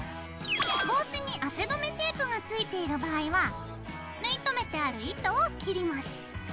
帽子に汗止めテープがついている場合は縫い留めてある糸を切ります。